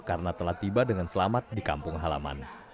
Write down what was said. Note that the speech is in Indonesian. karena telah tiba dengan selamat di kampung halaman